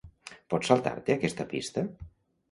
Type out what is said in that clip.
Pots saltar-te aquesta pista?